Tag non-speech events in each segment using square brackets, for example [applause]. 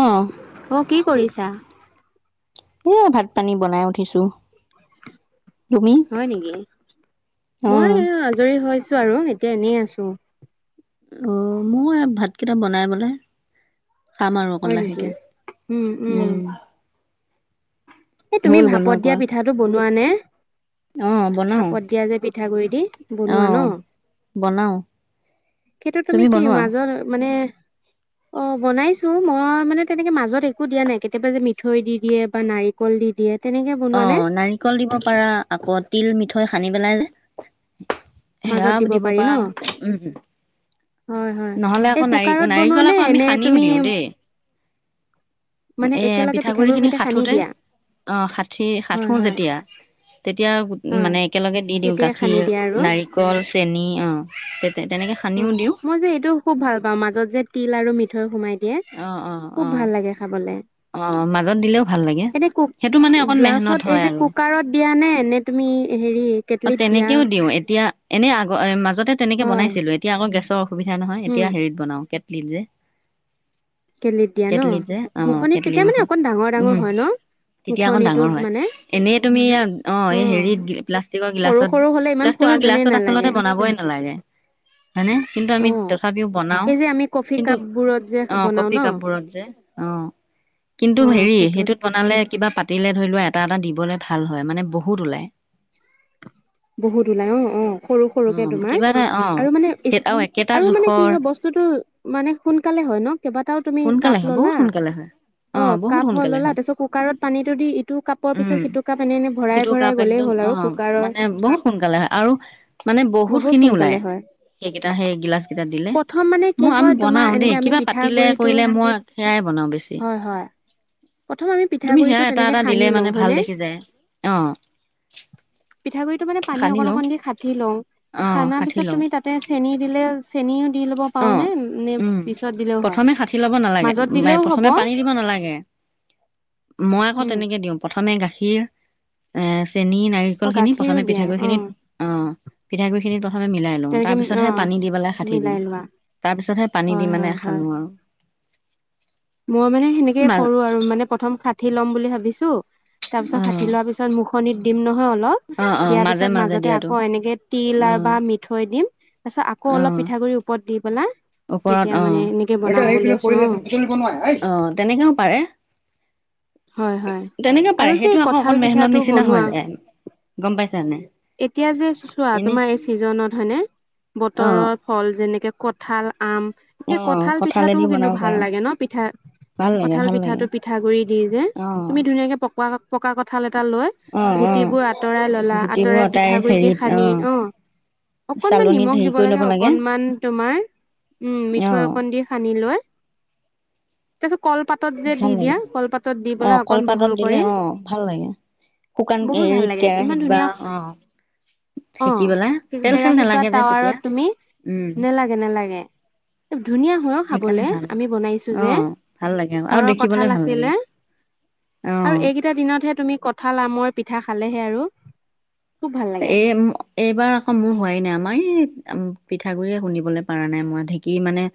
অ' অ কি কৰিছা উ, ভাত পানী বনাই উঠিছোঁ। হয় নেকি, মই অ'। এয়া আজৰি হৈছোঁ আৰু। এতিয়া এনেই আছোঁ। অ', মই এ, ভাতকেইটা বনাই পেলাই। খাম আৰু অকন হয় নেকি লাহেকে। উম। এ তুমি হ'ল বনোৱা ভাপত দিয়া কোৱা। পিঠাটো বনোৱা নে? অ', বনাও, ভাপত দিয়া যে পিঠাগুড়ি দি, বনোৱা ন? অ', বনাও, সেইটো তুমি কি? মাজত মানে অ' বনাইছো মই মানে তেনেকে মাজত একো দিয়া নাই, কেতিয়াবা যে মিঠৈ দি দিয়ে বা নাৰি কল দি দিয়ে। তেনেকে বনোৱা নে অ' নাৰিকল দিব পাৰা, আকৌ, তিল মিঠৈ সানি পেলাই যে। মাজত হেয়া দিব পাৰি পাৰা। ন উম, হয় হয় নহ'লে এই আকৌ, কুকাৰত বনোৱা নাৰি-নাৰিকল নে আকৌ আমি নে তুমি সানিও দিওঁ দেই। মানে এ একেলগে পিঠাগুৰি পিঠাগুড়িৰ খিনি সৈতে সানি সাঁঠোতে, দিয়া অঁ সাঠি হয় সাঁঠো হয় যেতিয়া তেতিয়া গোট হয় মানে একেলগে দি দিওঁ তেতিয়াই সানি দিয়া আৰু গাখীৰ। নাৰিকল, চেনি, অঁ! তেনেকে উম, সানিও দিওঁ। মই যে এইটো খুব ভাল পাওঁ, মাজত যে তিল আৰু মিঠৈ সোমাই দিয়ে অ' অ' খুব ভাল অ'। লাগে খাবলে। অঁ মাজত দিলেও ভাল লাগে, এনে কুক সেইটো মানে অকণ মেহনত হয় আৰু। দিয়ানে, নে তুমি হেৰি? অঁ, কেটলিত দিয়া? তেনেকেও দিওঁ, এতিয়া এনে আগ, এ, মাজতে তেনেকে হয়, বনাইছিলোঁ। এতিয়া আকৌ গেছৰ সুবিধা নহয়, এতিয়া উম, হেৰিত বনাও কেটলিত যে। কেটলিত দিয়া ন? কেটলিত যে। অঁ, মুখনিত কেটলি তেতিয়া মানে মুখত, অকণ ডাঙৰ ডাঙৰ উহোঁ। হয় ন? তেতিয়া অকন ডাঙৰ মুখনিটোত হয়। মানে এনেই তুমি অঁ অ', হেৰিত প্লাষ্টিকৰ সৰু গিলাচত, সৰু হ'লে ইমান খোৱা প্লাষ্টিকৰ যেনেই গিলাচত আচলতে নালাগে। বনাবই নালাগে। হয়নে? কিন্তু আমি অ', তথাপিও বনাও। এই যে আমি কফি কিন্তু কাপবোৰত যে অ বনাও কফি ন? কাপবোৰত যে। অঁ, কিন্তু হেৰি সেইটোত বনালে কিবা পাতিলে ধৰি লোৱা এটা এটা দিবলে ভাল হয়, মানে বহুত ওলায়। বহুত ওলাই অ' অ', অ সৰু-সৰুকে তোমাৰ কিবা এটা অ আৰু মানে সেই আৰু একেটা আৰু মানে কি জোখৰ হয় বস্তুটো মানে সোনকালে হয় ন? কেইবাটাও তুমি সোনকালে কাপ হয় বহুত ললা। সোনকালে হয় অ' বহুত কাপ হ সোনকালে ললা, তাৰ হয় পিছত কুকাৰত পানীটো দি ইটো কাপৰ পিছত সিটো কাপ এনে এনে ভৰাই সিটো কাপ ভৰাই গ'লেই একদম হ'ল। আৰু উম, কুকাৰৰ মানে বহুত সোনকালে হয় আৰু মানে বহুত বহুতখিনি সোনকালে ওলায়। হয় সেইকেইটা সেই গিলাচকেইটাত দিলে, প্ৰথম মানে কি মই আমি হয় তোমাৰ বনাও দেই এনেকে আমি কিবা পাতিলে পিঠাগুৰিটো কৰিলে মই সেয়াই বনাওঁ বেছি। হয় হয় প্ৰথম আমি তুমি পিঠাগুৰিটো সেয়া এটা তেনেকে এটা সানি দিলে মানে লওঁ ভাল হয়নে দেখি যায়। অ'! পিঠাগুৰিটো মানে পানী সানি অকন লওঁ অকন দি [unintelligible] লওঁ, অ সানা ষাঠি পিছত লওঁ তুমি তাত তাতে চেনী দিলে। চেনীও দি ল'ব পাৰো অ', নে? নে উম, পিছত দিলেও হয়। মাজত দিলেও হ'ব। চেনী দিব নালাগে। [inaudible] মই আকৌ উম তেনেকে দিওঁ, প্ৰথমে গাখীৰ এ চেনী নাৰি অ কলখিনি গাখীৰো প্ৰথমে দিয়া অ পিঠাগুৰিখিনিত অ' পিঠাগুৰিখিনি প্ৰথমে মিলাই। লওঁ, তেনেকে তাৰপিছতহে অ', পানী দি পেলাই হাথি মিলাই দিওঁ। লোৱা। তাৰ পিছতহে পানী হয় দি মানে হয় হয় সানো আৰু। মই মানে সেনেকে মাজ কৰোঁ আৰু, মানে প্ৰথম সাঠি ল'ম বুলি ভাবিছোঁ, তাৰ পিছত সাথি অ', লোৱাৰ পিছত মুখনিত দিম নহয় অলপ, অ', অ', দি‌য়া মাজে পিছত মাজে মাজতে দিয়াটো আকৌ এনেকে তিল আ' অ', বা মিঠ ঠৈ দিম, তাৰ পিছত আকৌ অলপ অ', পিঠাগুৰি ওপৰত দি পেলায়। ওপৰত অ', অ', অ'তেনেকেও পাৰে। হয়, হয়। তে তেনেকেও আৰু পাৰে, যে এই সেইটো আকৌ কঁঠাল অকণ মেহনত পিঠাটো নিচিনা বনোৱা হৈ যায়। গম পাইছা নে নাই? এতিয়া যে চোৱা তোমাৰ এই ছিজনত হয়নে। বতৰৰ অ', ফল যেনেকে-কঁঠাল, আম অ সেই কঁঠাল কঁঠালেদি পিঠাটোও কিন্তু বনাব পাৰা ভাল লাগে ন? পিঠা, ভাল লাগে কঁঠাল ভাল লাগে পিঠাটো পিঠাগুড়ি দি‌য়ে যে, অ তুমি ধুনীয়াকৈ পকোৱা পকা কঁঠাল এটা লৈ অ অ গুটিবোৰ আঁতৰাই ললা, গুটিবোৰ আঁতৰাই অতাই পিঠাগুৰি দি হেৰিত সানি অ অকনমান চালনীত নিমখ হেৰি দিব কৰি লাগে ল'ব অকনমান তোমাৰ, উম মি অ মিঠৈ অকন দি সানি লৈ, তাৰপিছত কলপাতত যে ভাল দি দিয়া, লাগে কলপাতত দি অ পেলাই অকন কলপাতত বহল দিলে কৰি। অ ভাল লাগে শুকান বহুত ভাল হেৰিত লাগে। ইমান কেৰাহীত বা ধুনীয়া অ অ, সেকি পেলাই কি তেল চেল কেৰাহিত বা নালাগে যে তেতিয়া টাৱাৰত তুমি, উম নেলাগ নেলাগে, এ ধুনীয়া হয় ও সেইকাৰণে খাবলে ভাল আমি বনাইছো। অ যে ভাল লাগে আৰু ঘৰৰ দেখিবলৈ কঠাল ভাল আছিলে। লাগে আৰু অ এই কেই ইটা দিনতহে তুমি কঁঠাল, আমৰ পিঠা খালেহে আৰু। খুব ভাল লাগে এম এইবাৰ আকৌ মোৰ হোৱাই নাই আমাৰ এই পিঠাগুৰিয়ে খুন্দিবলৈ পৰা নাই মই। ঢেঁকী মানে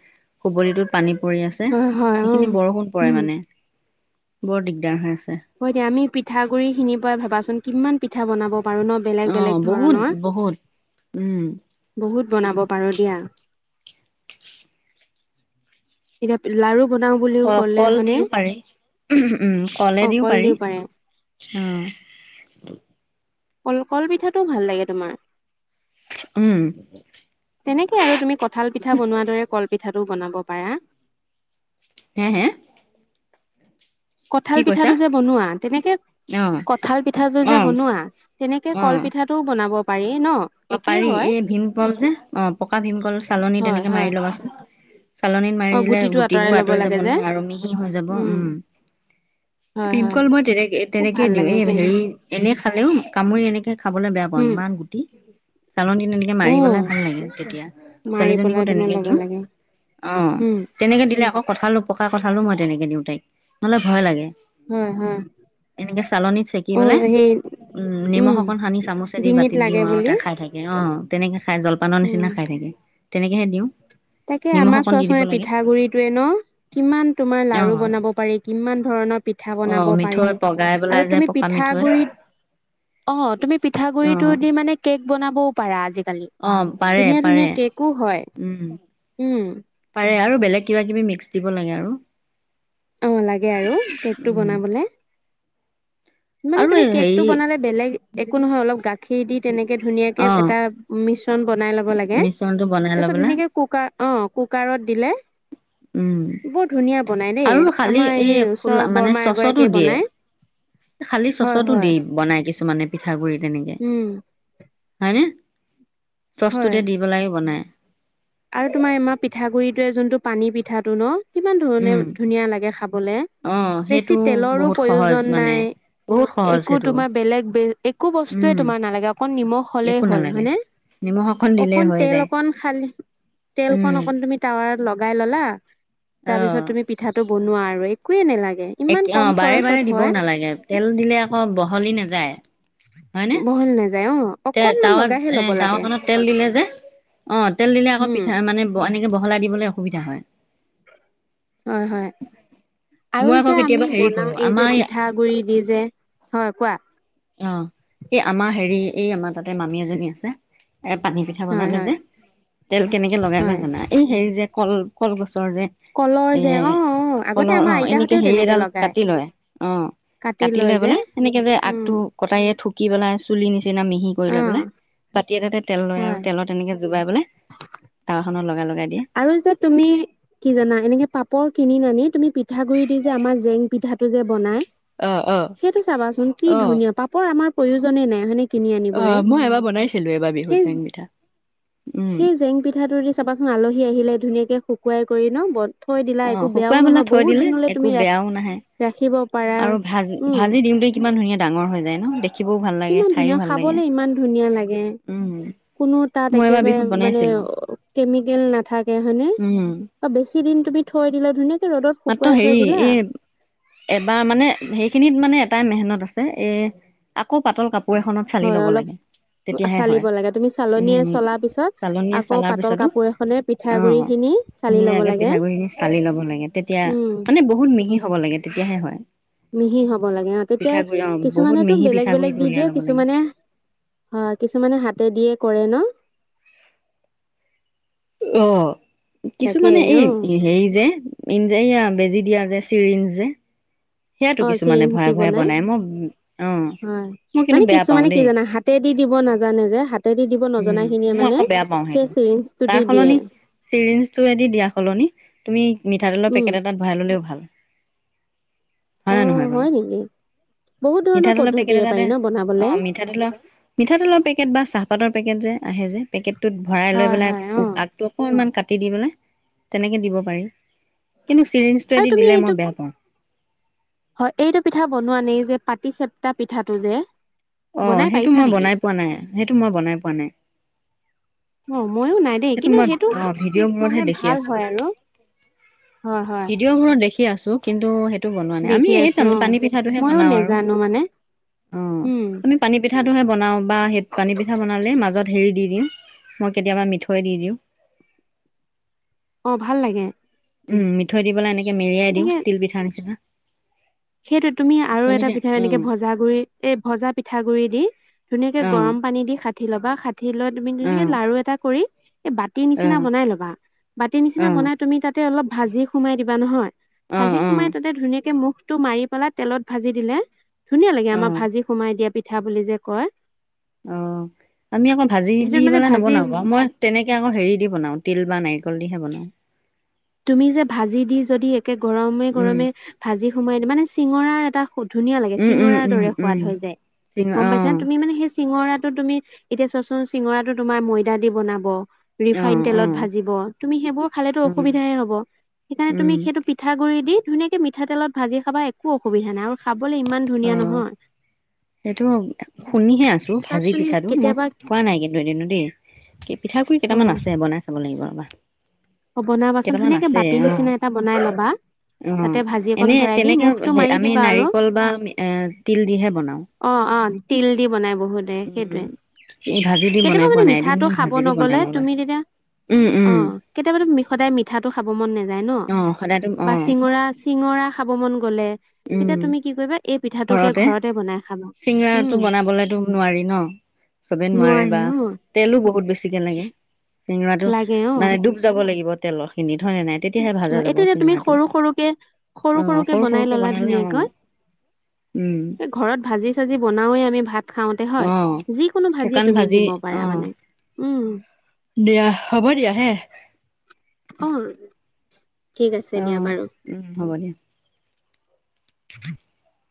কুবলীটোত পানী পৰি আছে। ছে হয় হয় অ সেইখিনি বৰষুণ পৰে উম মানে, বৰ দিগদাৰ হৈ আছে। হয় দিয়া, আমি পিঠাগুৰি খিনিৰ পৰাই ভাবাচোন কিমান পিঠা বনাব পাৰো ন। বেলেগ অ, বেলেগ বহুত ধৰণৰ বহুত উম। বহুত বনাব পাৰোঁ দিয়া। এতিয়া লাৰু বনাওঁ বুলিও ক'লে হয়নে! উহম উম, অ কলেদিও পাৰি। কলডিও পাৰে অ কল, কল পিঠাটোও ভাল লাগে তোমাৰ। উম। তেনেকে আৰু তুমি কঁঠাল পিঠা বনোৱাৰ দৰে কল পিঠাটোও বনাব পাৰা। হে! হে! কঠাল কি কৈছা পিঠাটো যে বনোৱা, তেনেকে অ কঁঠাল পিঠাটো অ যে বনোৱা তেনেকে অ কল পিঠাটোও বনাব পাৰি ন। অ একেই পাৰি হয় এই ভীমকল যে অ পকা ভীমকল চালনী হয় তেনেকে হয় মাৰি ল'বাচোন। চালনীত অ মাৰি দিলে গুটিটো আঁতৰাই গুটিবোৰ ল'ব আঁতৰি লাগে যাব যে নহয় আৰু মিহি হৈ যাব উম। হয় হয় ভিমকল মই তেনেকে খুব তেনেকে ভাল দিওঁ লাগে এই কিন্তু হেৰি। এনে খালেও কামুৰি খাবলৈ বেয়া পাওঁ উম ইমান গুটি। চালন তেনেকে মাৰি অ পেলাই ভাল লাগে তেতিয়া মাৰি পেলাই ছোৱালীজনীকো তুমি তেনেকে ল'ব দিওঁ। লাগে অ উম তেনেকে দিলে আকৌ কঠালো পকা কঠালো মই তেনেকে দিওঁ তাইক নহলে ভয় লাগে। হয় হয়। এনেকে চালনিত চেকি অ পেলে সেই উম নিমখ অকন সানি চামুচেদি ডিঙিত বাতিত দিও লাগে আৰু বুলি খা, খাই থাকে অ তেনেকে খাই জলপানৰ উম নিচিনা খাই থাকে তেনেকেহে দিওঁ। নিমখ আমাৰ অকণ দি দিব চোৱাচ লাগে পিঠাগুৰিটয়ে ন কিমান তোমাৰ অ লাৰু বোনাব পাৰি কিমান ধৰণৰ, পিঠা অ বনাব পাৰি মিঠৈ পগাই পেলাই আৰু যে তুমি পকা মিঠৈ পিঠাগুৰিত। অ তুমি অ পিঠাগুৰিত দি মানে কেক বনাবও পাৰা আজিকালি। অ পাৰে ধুনীয়া ধুনীয়া পাৰে কেকো হয়। উম উম আৰু বেলেগ কিবা কিবি মিক্স দিব লাগে আৰু, অ লাগে আৰু কেকটো উম বনাবলে। মানে আৰু তুমি কেক টো হেৰি বনালে বেলেগ একো নহয় অলপ গাখীৰ দি তেনেকে ধুনীয়াকে অ এটা, মিশ্ৰণ বনাই লব লাগে মিশ্ৰণটো বনাই লৈ তাৰপিছত পেলাই ধুনীয়াকৈ কুকাৰ অঁ কুকাৰত দিলে। উম বৰ ধুনীয়া বনাই দেই আৰু খালি আমাৰ এই খোলা ওচৰ মানে বৰমা চচতো এগৰাকীয়ে দিয়ে বনাই। খালি হয় চচতো দি হয় বনাই কিছুমানে পিঠাগুৰি তেনেকে। উম হয়নে হয় চচটোতে দি পেলাই বনাই। আৰু তোমাৰ আমাৰ পিঠাগুড়িটোৱে যোনটো পানী পিঠাটো ন'। কিমান ধৰণে উম ধুনীয়া লাগে খাবলে, অ সেইটো বেছি তেলৰো বহুত সহজ প্ৰয়োজন মানে নাই। বহুত সহজ একো সেইটো তোমাৰ বেলেগ বে একো বস্তুৱয়ে উম তোমাৰ নালাগে অকন নিমখ হলেই একো হ'ল নালাগে হয়নে, নিমখ দিলেই অকণ হৈ তেল যায় অকণ খালি উম তেলকন অকন তুমি টাৱাৰ লগাই ল'লা তাৰপিছত অ তুমি পিঠাটো বনোৱা আৰু, একোৱে নালাগে। ইমান একে কম অ' বাৰে খৰচত বাৰে দিবও হয় নালাগে, তেল দিলে আকৌ বহলি নাযায়। হয়নে বহলি নাযায় অ'। তে অকনমান টাৱাত লগাইহে এ, ল'ব লাগে টাৱাখনত তেল দিলে যে অ' তেল দিলে আকৌ উম পিঠা মানে ব এনেকে বহলাই দিবলৈ অসুবিধা হয়। হয় হয় আৰু মই আকৌ যে আমি কেতিয়াবা হেৰি বনাও কৰো এই যে আমাৰ পিঠা গুৰি দি যে, হয় কোৱা। অ' এই আমাৰ হেৰি এই আমাৰ তাতে মামী এজনী আছে এ, পানী পিঠা হয় বনালে হয় যে তেল কেনেকে লগাই লয় হয় জানা এই হেৰি যে কল কল গছৰ যে কলৰ এ, যে অ অ আগতে কলৰ আমাৰ অ' এনেকে আইতাহঁতেও হেৰি তেনেকে এডাল লগাই কাটি লয় অ'। কাটি লয় লৈ যে পেলাই সেনেকে যে উম আগটো কটাৰীয়ে ঢুকি পেলাই চুলি নিচিনা মিহি কৰি অ লৈ পেলাই বাতি এটাতে তেল লয় আৰু হয় তেলত তেনেকে যোগাই পেলাই টাৱাখনত লগাই লগাই দিয়ে। আৰু যে তুমি কি জানা এনেকে পাপৰ কিনি নানি তুমি পিঠাগুৰি দি যে আমাৰ জেং পিঠাটো যে বনাই অ অ সেইটো চাবাচোন কি অ ধুনীয়া, পাপৰ আমাৰ প্ৰয়োজনে নাই হয়নে কিনি অ আনিবলে, মই এবাৰ বনাইছিলো এবাৰ বিহুত সেই জেং পিঠা। উম সেই জেং পিঠাটো দি চাবাচোন আলহী আহিলে ধুনীয়াকে শুকুৱাই কৰি ন' বন অ' শুকুৱাই মেলা থৈ দিলে তুমি একো ৰা বেয়াও নাহে। ৰাখিব পাৰা আৰু ভাজি উম ভাজি দিওঁতে কিমান ধুনীয়া ডাঙৰ হৈ যায় ন' দে খিবও ভাল লাগে, কিমান ধুনীয়া খাইও ভাল লাগে, খাবলে ইমান ধুনীয়া লাগে উম। কোনো তাত মই এবাৰ বিহুত একেবাৰে মানে বনাইছিলো কেমিকেল নাথাকে হয়নে? উম বা বেছি দিন তুমি থৈ দিলেও ধুনীয়াকে ৰ'দত মাত্ৰ শুকুৱাই থৈ হেৰি দিলা। এই এবাৰ মানে সেইখিনিত মানে এটাই মেহেনত আছে এ, আকৌ পাতল কাপোৰ এখনত চালি হয় ল'ব অলপ লাগে। তেতিয়াহে চালিব হয়। লাগে তুমি চালনীয়ে উম, চলাৰ পিছত চালনীয়ে আকৌ চালাৰ পাতল পিছতো কাপোৰ এখনে পিঠাগুৰি অ' খিনি চালি ল'ব ধুনীয়াকে লাগে পিঠাগুৰিখিনি চালি ল'ব লাগে। তেতিয়া, উম মানে বহুত মিহি হ'ব লাগে তেতিয়াহে হয়। মিহি হ'ব লাগে অ', তেতিয়া পিঠাগুড়ি অ' বহুত কিছুমানেতো মিহি বেলেগ বেলেগ পিঠাগুড়িটো দি উলিয়াই দিয়ে, ল'ব লাগে কিছুমানে হয় কিছুমানে হাতে দিয়ে কৰে ন'? অ' তাকে কিছুমানে অ এই হেৰি যে ইন যে এইয়া বেজি দিয়া যে চিৰিন যে। সেয়াতো অ' কিছুমানে চিৰিঞ্জ ভৰাই দি ভৰাই বনাই মই অ' হয়, মই কিন্তু মানে বেয়া পাওঁ কিছুমানে কি দেই জানা হাত হাতেদি দিব নাজানে যে, হাতেদি দিব উম, নজনাখিনিয়ে মই মানে আকৌ সেই চিৰিঞ্জটো দি দিয়ে। চিৰিঞ্জটোয়েদি দিয়া সলনি তুমি মিঠাতেলৰ উম পেকেট এটাত ভৰাই ল'লেও ভাল। হয় নে অ' নহয় বাৰু? হয় নেকি? বহুত ধৰণৰ মিঠাতেলৰ পেকেট পদ্ধতিৰে পাৰি এটাতে ন' ব অ' মিঠাতেলৰ মিঠাতেলৰ পেকেট বা চাহপাতৰ পেকেট যে আহে যে পেকেটটোত ভৰাই লৈ হয় পেলাই হয় উ, অ আগটো অ' ইমান কাটি দি পেলাই তেনেকে দিব পাৰি কিন্তু আৰু চিৰিঞ্জটোয়েদি তুমি দিলে এইটো মই বেয়া পাওঁ। হয় এইটো পিঠা বনোৱা নেই যে পাতি চেপ্তা পিঠাটো যে অ বনাই সেইটো পাইছা মই নেকি বনাই পোৱা নাই, সেইটো মই বনাই পোৱা নাই। অ ময়ো নাই দেই সেইটো কিন্তু মই অ', ভিডিঅ'বোৰতহে মানে দেখি ভাল আছোঁ। হয় আৰু হয় হয় ভিডিঅ'বোৰত দেখি আছোঁ কিন্তু সেই টো বনোৱা নাই, আমি দেখি আছো এইখন অ পানী পিঠাটোহে ময়ো বনাওঁ আৰু। নেজানো মানে অ' উম আমি পানী পিঠাটোহে বনাওঁ বা সেই পানী পিঠা বনালে মাজত হেৰি দি দিওঁ, মই কেতিয়াবা মিঠৈ দি দিওঁ। অ' ভাল লাগে। উম, মিঠৈ দি পেলাই এনেকে মেৰিয়াই দিওঁ, তিল পিঠা নিচিনা। সেইটোয়ে, তুমি আৰু এটা তেনেকে পিঠা এনেকে অ', ভজা গুৰি, এ ভজা পিঠা গুৰি দি ধুনীয়াকে অ', গৰম পানী দি খাঠি ল'বা খাঠি লৈ তুমি অ', ধুনীয়াকে অ', লাৰু এটা কৰি এই বাতি নিচিনা বনাই ল'বা, বাতি অ', নিচিনা অ', বনাই তুমি তাতে অলপ ভাজি সোমাই দিবা নহয়। ভাজি অ', সোমাই তাতে ধুনীয়াকে মুখ টো মাৰি পেলাই তেলত ভাজি দিলে, ধুনীয়া লাগে আমাৰ অ', ভাজি সোমাই দিয়া পিঠা বুলি যে কয়। অ', আমি আকৌ ভাজি সেইটোত দি মানে পেলাই, ভাজি নবনাও বাৰু, মই তেনেকে আকৌ হেৰি দি বনাও তিল বা নাৰিকল দিহে বনাও। তুমি যে ভাজি দি যদি একে গৰমে উম, গৰমে ভাজি সোমাই দি মানে চিঙৰাৰ এটা ধুনীয়া লাগে উম, উম, চিঙৰাৰ উম, দৰে সোৱাদ উম, হৈ যায়, চিঙা গম পাইছা অ', তুমি মানে সেই চিঙৰাটো তুমি এতিয়া চোৱাচোন চিঙৰাটো তোমাৰ ময়দা দি বনাব। ৰিফাইন অ', তেলত অ', ভাজিব, তুমি সেইবোৰ খালো উম, অসুবিধাহে হ'ব, সেইকাৰণে উম, তুমি সেইটো পিঠা গুৰি দি ধুনীয়াকে মিঠাতেলত ভাজি খাবা, একো অসুবিধা নাই আৰু। খাবলে ইমান- ইমান ধুনীয়া নহয়। এইটো শুনিহে আছো তাত ভাজি তুমি পিঠাটো মই কেতিয়াবা খোৱা নাই কিন্তু এদিনো দেই। কি পিঠাগুড়ি অ কেইটামান আছে বনাই খাব লাগিব ৰ'বা। অ, বনাবাচোন কেইটামান ধুনীয়াকে আছে বাতি অ নিচিনা এটা বনাই লবা। অ', তাতে ভাজি অকন এনে ভৰাই দি তেনেকে, মুখটো মাৰি আমি দিবা আৰু নাৰিকল বা এ তিল দিহে বনাও। অঁ, অঁ তিল দি বনাই বহুতে সেইটোৱে। উম এই ভাজি দি বনাই কেতিয়াবা পোৱা মানে নাই মিঠাটো এদিনমান খাব ভাজি দি নগলে বনাম ৰবা তুমি তেতিয়া উম অ। উম কেতিয়াবাতো সদায় মিঠাটো খাব মন নাযায় ন অ সদায়তো অ বা চিঙৰা চিঙৰা খাব মন গলে উম তেতিয়া তুমি কি কৰিবা এই পিঠাটোকে ঘৰতে বনাই খাবা। উম চিঙৰাটো বনাবলেতো নোৱাৰি ন চবে নোৱাৰে বা নোৱাৰি অ তেলো বহুত বেছিকে লাগে চিঙৰাটো লাগে অ মানে ডুব যাব লাগিব তেলৰখিনিত হয় নে নাই? তেতিয়াহে ভাজা যাব এইটো এতিয়া তুমি চিঙাৰটো সৰু সৰুকে সৰু অ সৰু বনাই সৰুকে ললা বনালে অ। ধুনীয়াকৈ উম ঘৰত ভাজি চাজি বনাওঁৱে আমি ভাত খাওতে অ হয় যিকোনো ভাজিয়ে শুকান তুমি ভাজি দিব অ পাৰা মানে উম। দিয়া হ'ব দিয়া হে। অ ঠিক আছে অ দিয়া বাৰু। উম হ'ব দিয়া। [unintelligible]